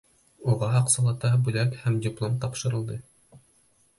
Уға аҡсалата бүләк һәм диплом тапшырылды.